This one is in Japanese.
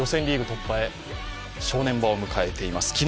リーグ突破へ正念場を迎えています。